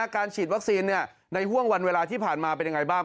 การฉีดวัคซีนในห่วงวันเวลาที่ผ่านมาเป็นยังไงบ้าง